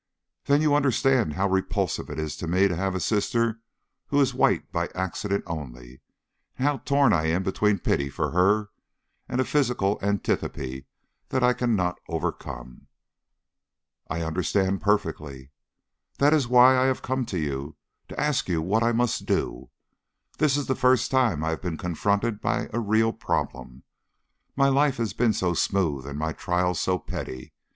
"Then you understand how repulsive it is to me to have a sister who is white by accident only, and how torn I am between pity for her and a physical antipathy that I cannot overcome?" "I understand perfectly." "That is why I have come to you to ask you what I must do. This is the first time I have been confronted by a real problem; my life has been so smooth and my trials so petty.